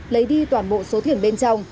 lấy đi toàn bộ số thiển bên trong